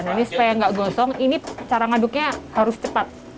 ini supaya enggak gosong ini cara ngaduknya harus cepat